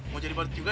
mau jadi badut juga